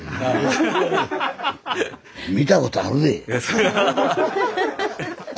「見たことあるで！」。